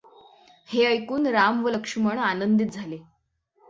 हे ऐकून राम व लक्ष्मण आनंदित झाले.